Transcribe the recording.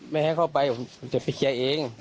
อยากไปช่วย